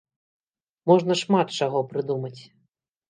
Можна шмат чаго прыдумаць.